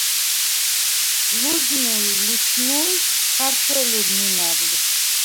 ლჷზნუ ი ლუშნუი̄ ქართველურ ნჷნა̈რ ლიხ.